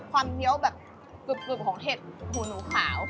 เคี้ยวแบบกึบของเห็ดหูหนูขาว